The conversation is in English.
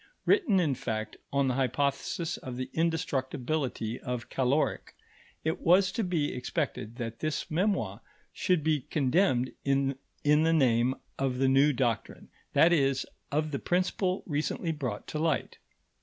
Written, in fact, on the hypothesis of the indestructibility of caloric, it was to be expected that this memoir should be condemned in the name of the new doctrine, that is, of the principle recently brought to light.